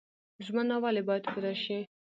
ژمنه ولې باید پوره شي؟